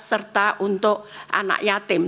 serta untuk anak yatim